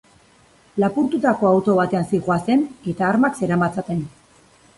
Lapurtutako auto batean zihoazen eta armak zeramatzaten.